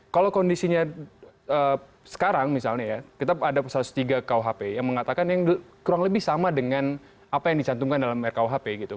kalau kondisinya sekarang misalnya ya kita ada satu ratus tiga kuhp yang mengatakan yang kurang lebih sama dengan apa yang dicantumkan dalam rkuhp gitu